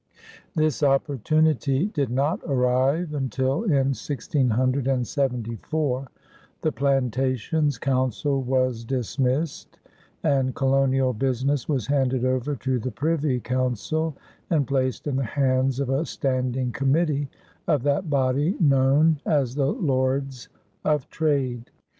This opportunity did not arrive until, in 1674, the plantations council was dismissed, and colonial business was handed over to the Privy Council and placed in the hands of a standing committee of that body known as the Lords of Trade.